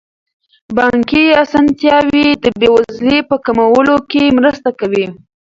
بانکي اسانتیاوې د بې وزلۍ په کمولو کې مرسته کوي.